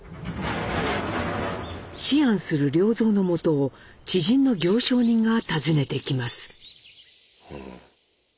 思案する良三のもとを知人の行商人が訪ねてきます。